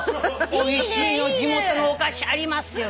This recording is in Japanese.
「おいしい地元のお菓子ありますよ」